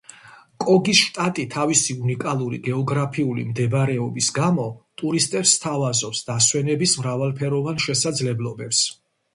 კოგის შტატი, თავისი უნიკალური გეოგრაფიული მდებარეობის გამო, ტურისტებს სთავაზობს დასვენების მრავალფეროვან შესაძლებლობებს.